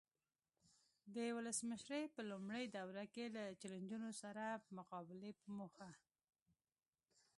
د ولسمشرۍ په لومړۍ دوره کې له چلنجونو سره مقابلې په موخه.